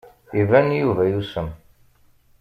Iban Yuba yusem.